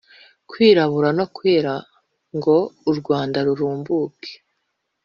kwirabura no kwera ngo u rwanda rurumbuke.